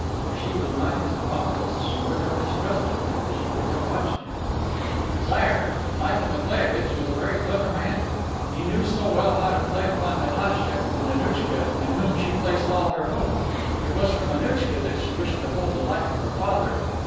If she was not his accomplice she would have mistrusted him, she would have watched him." "Sire, Michael Nikolaievitch was a very clever man. He knew so well how to play upon Natacha, and Annouchka, in whom she placed all her hope. It was from Annouchka that she wished to hold the life of her father.